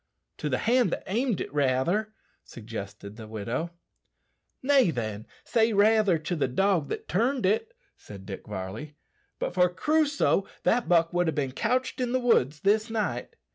"To the hand that aimed it, rather," suggested the widow. "Nay, then, say raither to the dog that turned it," said Dick Varley. "But for Crusoe, that buck would ha' bin couched in the woods this night."